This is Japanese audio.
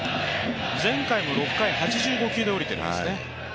前回も６回８５球で降りているんですね。